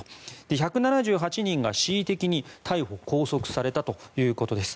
１７８人が恣意的に逮捕・拘束されたということです。